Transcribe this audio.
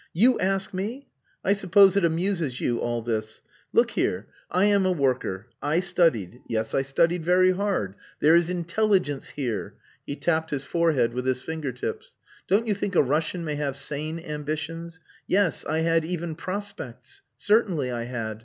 "You ask me! I suppose it amuses you, all this. Look here! I am a worker. I studied. Yes, I studied very hard. There is intelligence here." (He tapped his forehead with his finger tips.) "Don't you think a Russian may have sane ambitions? Yes I had even prospects. Certainly! I had.